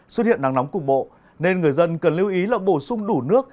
xuất hiện nắng nóng cục bộ nên người dân cần lưu ý là bổ sung đủ nước